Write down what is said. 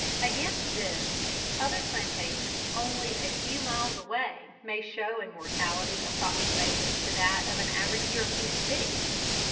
Against this, other plantations only a few miles away may show a mortality approximating to that of an average European city.